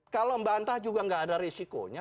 kalau mba antah juga gak ada risikonya